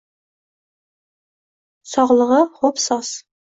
sog’ligi xo’b soz.